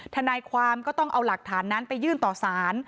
ทนายความก็ต้องเอาหลักฐานนั้นไปยื่นต่อสาร